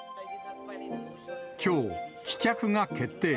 きょう、棄却が決定。